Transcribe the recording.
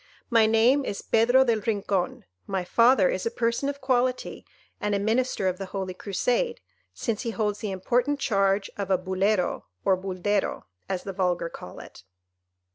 My name is Pedro del Rincon, my father is a person of quality, and a Minister of the Holy Crusade, since he holds the important charge of a Bulero or Buldero, as the vulgar call it.